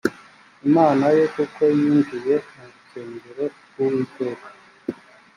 imana ye kuko yinjiye mu rusengero rw uwiteka